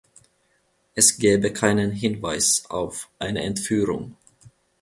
Es gäbe keinen Hinweis auf eine Entführung.